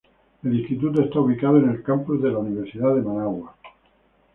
El instituto está ubicado en el campus de la universidad en Managua.